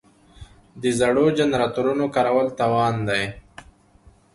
د زړو جنراتورونو کارول تاوان دی.